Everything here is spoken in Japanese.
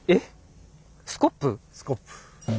スコップ。